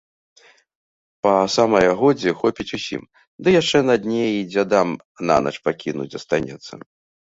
Па самае годзе хопіць усім, ды яшчэ на дне й дзядам нанач пакінуць застанецца.